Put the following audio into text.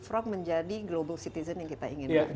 melibatkan dari menjadi global citizen yang kita inginkan